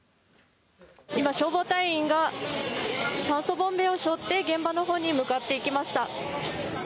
今、消防隊員が酸素ボンベを背負って現場のほうへ向かっていきました。